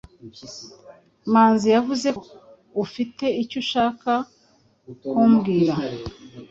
Manzi yavuze ko ufite icyo ushaka kumbwira.